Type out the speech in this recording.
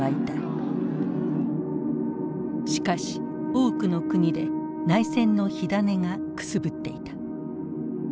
しかし多くの国で内戦の火種がくすぶっていた。